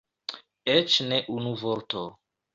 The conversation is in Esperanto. Eĉ ne unu vorto.